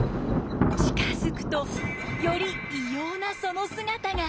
近づくとより異様なその姿が。